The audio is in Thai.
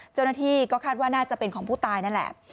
เจ้าหน้าที่ก็คาดว่าน่าจะเป็นของผู้ตายนั่นแหละ